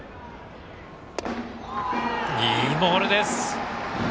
いいボールです！